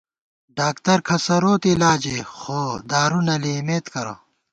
ڈاکتر کھسَروت علاجےخو دارُو نہ ݪِمېت کرہ